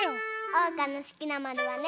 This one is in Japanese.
おうかのすきなまるはね。